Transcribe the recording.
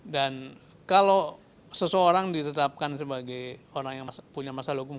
dan kalau seseorang ditetapkan sebagai orang yang punya masalah hukum